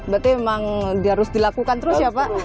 berarti memang harus dilakukan terus ya pak